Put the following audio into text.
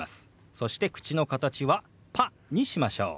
そして口の形は「パ」にしましょう。